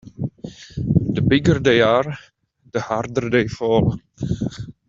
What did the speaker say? The bigger they are the harder they fall.